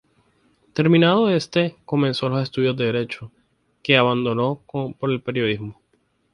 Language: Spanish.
Terminado este, comenzó los estudios de Derecho, que abandonó por el Periodismo.